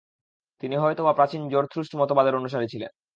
তিনি হয়তোবা প্রাচীন জরথ্রুস্ট মতবাদের অনুসারী ছিলেন।